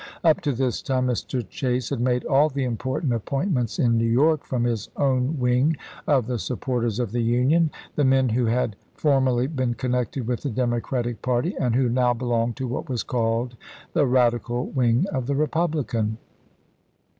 Up to this time Mr. Chase had made all the important appoint ments in New York from his own wing of the sup porters of the Union — the men who had formerly been connected with the Democratic party, and who now belonged to what was called the radical wing of the Eepublican.